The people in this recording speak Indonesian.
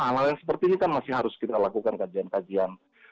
hal hal yang seperti ini kan masih harus kita lakukan kajian kajian